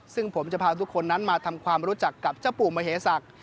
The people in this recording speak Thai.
ซึ่งผมจะพาทุกคนมาทำความรู้จักกับจปุมเหศก